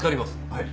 はい。